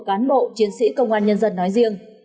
cán bộ chiến sĩ công an nhân dân nói riêng